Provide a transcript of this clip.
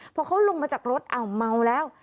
พอเขาลงมาจากรถอ้าวเมาแล้ว